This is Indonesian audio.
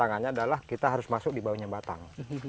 tantangannya adalah kita harus masuk di bawahnya batang